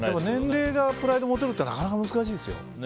年齢がプライド持てるってなかなか難しいですよ。